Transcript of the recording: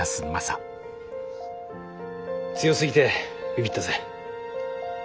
強すぎてビビったぜ。